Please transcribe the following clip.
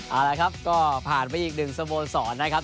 เอาละครับก็ผ่านไปอีกหนึ่งสโมสรนะครับ